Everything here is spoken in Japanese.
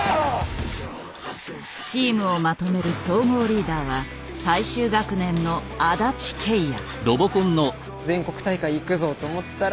チームをまとめる総合リーダーは最終学年の安達慶哉。